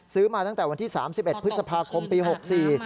ซื้อมาตั้งแต่วันที่๓๑พฤษภาคมปี๖๔